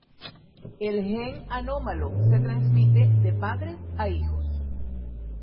El gen anómalo se transmite de padres a hijos.